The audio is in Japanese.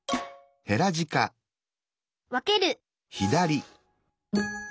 わける